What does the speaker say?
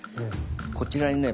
こちらにね